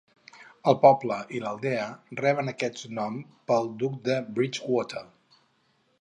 El poble i l'aldea reben aquest nom pel duc de Bridgewater.